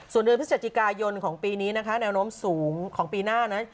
ส่วนเดือนพฤศจิกายนของปีนี้นะคะแนวโน้มสูงของปีหน้านั้น